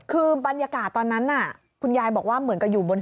คือบรรยากาศตอนนั้นคุณยายบอกว่าเหมือนกับอยู่บน